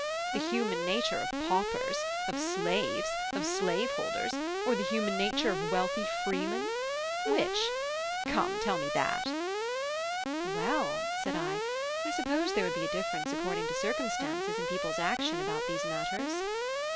The human nature of paupers, of slaves, of slave holders, or the human nature of wealthy freemen? Which? Come, tell me that!" "Well," said I, "I suppose there would be a difference according to circumstances in people's action about these matters."